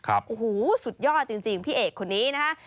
โอ้โหสุดยอดจริงพี่เอกคนนี้นะฮะ